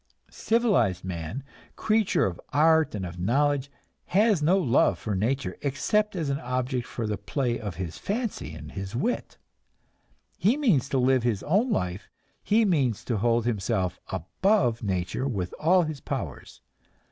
Civilized man, creature of art and of knowledge, has no love for nature except as an object for the play of his fancy and his wit. He means to live his own life, he means to hold himself above nature with all his powers.